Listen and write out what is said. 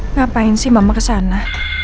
ngapain sih mama kesana